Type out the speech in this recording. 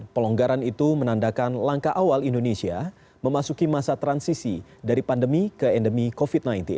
pelonggaran itu menandakan langkah awal indonesia memasuki masa transisi dari pandemi ke endemi covid sembilan belas